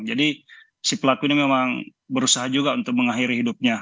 jadi si pelaku ini memang berusaha juga untuk mengakhiri hidupnya